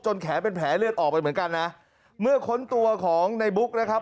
แขนเป็นแผลเลือดออกไปเหมือนกันนะเมื่อค้นตัวของในบุ๊กนะครับ